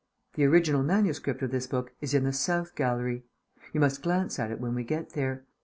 The original MS. of this book is in the South Gallery. You must glance at it when we get there.